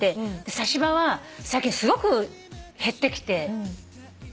サシバは最近すごく減ってきて。